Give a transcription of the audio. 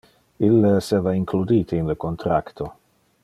Ille esseva includite in le contracto.